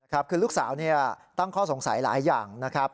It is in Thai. ครับคือลูกสาวตั้งข้อสงสัยหลายอย่างนะครับ